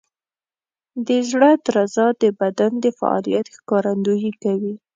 د زړه درزا د بدن د فعالیت ښکارندویي کوي.